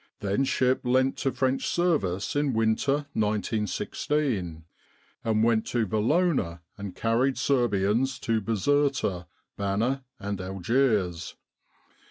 Then ship lent to French service in winter 1916, and went to Valona and carried Serbians to Bizerta, Bana and Algiers.